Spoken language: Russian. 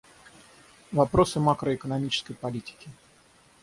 Вопросы макроэкономической политики.